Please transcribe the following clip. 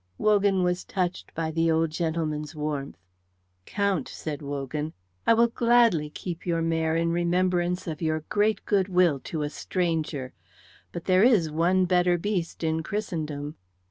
Wogan was touched by the old gentleman's warmth. "Count," said Wogan, "I will gladly keep your mare in remembrance of your great goodwill to a stranger. But there is one better beast in Christendom."